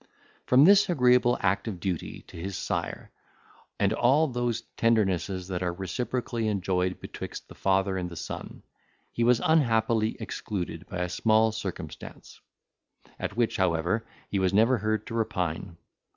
From this agreeable act of duty to his sire, and all those tendernesses that are reciprocally enjoyed betwixt the father and the son, he was unhappily excluded by a small circumstance; at which, however, he was never heard to repine.